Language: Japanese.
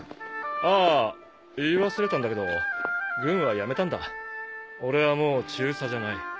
あぁ言い忘れたんだけど軍は辞めたんだ俺はもう中佐じゃない。